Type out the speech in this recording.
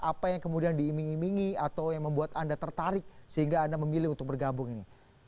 apa yang kemudian diiming imingi atau yang membuat anda tertarik sehingga anda memilih untuk bergabung ini